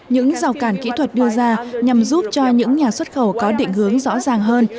những rào cản kỹ thuật đưa ra nhằm giúp cho những nhà xuất khẩu có định hướng rõ ràng hơn